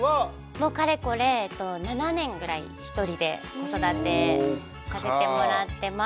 もうかれこれ７年ぐらいひとりで子育てさせてもらってます。